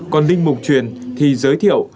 còn linh mục truyền thì giới thiệu